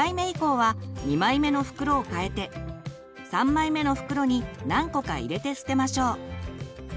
３枚目の袋に何個か入れて捨てましょう。